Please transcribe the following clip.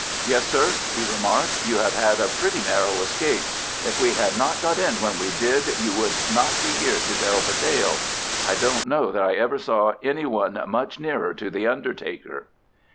"Yes, sir," he remarked, "you have had a pretty narrow escape. If we had not got in when we did, you would not be here to tell the tale. I don't know that I ever saw any one much nearer to the undertaker."